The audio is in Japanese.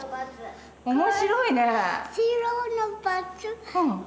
面白いね。